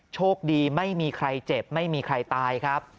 โชคดีไม่มีใครเจ็บไม่มีใครตายครับ